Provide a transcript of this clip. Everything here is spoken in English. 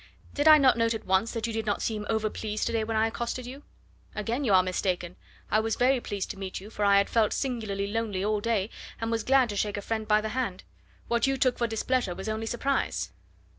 Did I not note at once that you did not seem overpleased to day when I accosted you?" "Again you are mistaken. I was very pleased to meet you, for I had felt singularly lonely all day, and was glad to shake a friend by the hand. What you took for displeasure was only surprise."